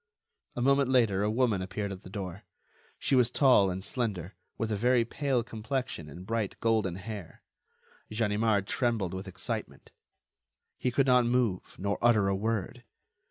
A moment later a woman appeared at the door; she was tall and slender, with a very pale complexion and bright golden hair. Ganimard trembled with excitement; he could not move, nor utter a word.